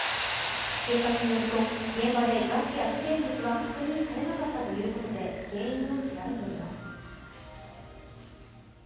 警察によると、現場でガスや危険物は確認されなかったということで原因を調べています。